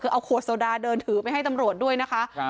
คือเอาขวดโซดาเดินถือไปให้ตำรวจด้วยนะคะ